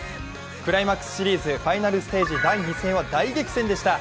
クライマックスシリーズ・ファイナルステージ第２戦は大激戦でした。